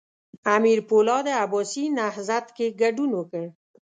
امیر پولاد عباسي نهضت کې ګډون وکړ.